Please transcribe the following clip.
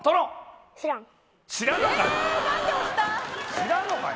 知らんのかい！